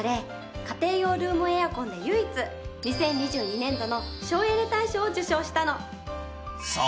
家庭用ルームエアコンで唯一２０２２年度の省エネ大賞を受賞したの。